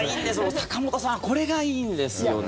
坂本さんはこれがいいんですよね。